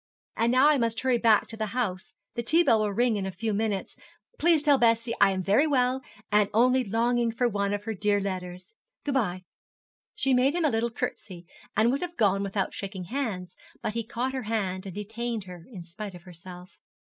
And now I must hurry back to the house the tea bell will ring in a few minutes. Please tell Bessie I am very well, and only longing for one of her dear letters. Good bye.' She made him a little curtsey, and would have gone without shaking hands, but he caught her hand and detained her in spite of herself.